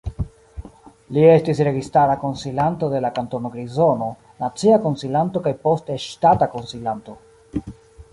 Li estis registara konsilanto de la Kantono Grizono, nacia konsilanto kaj poste ŝtata konsilanto.